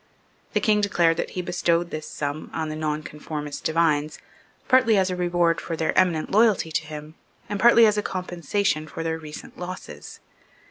The King declared that he bestowed this sum on the nonconformist divines, partly as a reward for their eminent loyalty to him, and partly as a compensation for their recent losses.